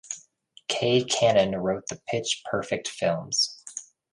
Kay Cannon wrote the Pitch Perfect films.